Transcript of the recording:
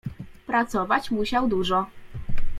"Pracować musiał dużo."